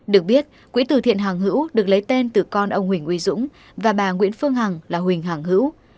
được biết quỹ từ thiện hàng hữu được lấy tên từ con ông huỳnh uy dũng và bà nguyễn phương hằng là huỳnh hoàng hữu